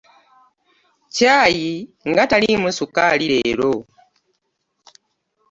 Kyaayi nga taliimu sukaali leero.